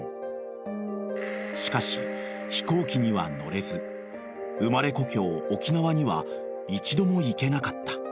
［しかし飛行機には乗れず生まれ故郷沖縄には一度も行けなかった］